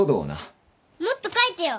もっと書いてよ。